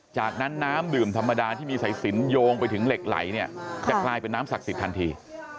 จากนั้นน้ำดื่มธรรมดาที่มีสายสินโยงไปถึงเหล็กไหลเนี่ยจะกลายเป็นน้ำศักดิ์สิทธิทันที